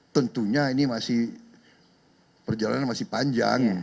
tentunya ini masih perjalanan masih panjang